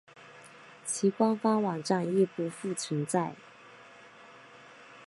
其官方网站亦不复存在。